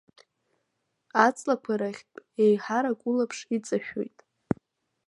Аҵлақәа рахьтә еиҳарак улаԥш иҵашәоит…